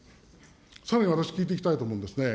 さらに、私聞いていきたいと思うんですね。